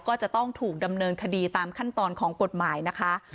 ก็จะต้องถูกดำเนินคดีตามขั้นตอนของกฎหมายนะคะ